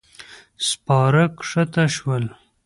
سپاره کښته شول.